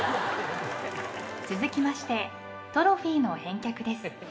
続きましてトロフィーの返却です。